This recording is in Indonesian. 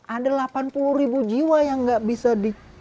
ada delapan puluh jiwa yang gak bisa dikumpulkan